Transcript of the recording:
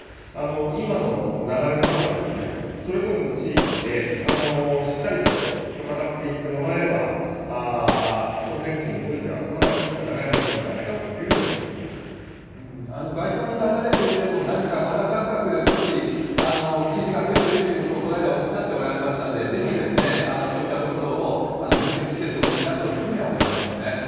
今の流れの中で、それぞれの地域でしっかりと戦っていってもらえれば、総選挙においてはかなりいい戦いができるんじゃないかというふう街頭に立たれていても、何か肌感覚で少し、支持が増えてるっていうことをこないだおっしゃっておられましたんで、ぜひそういったところを分析してってほしいなというふうには思い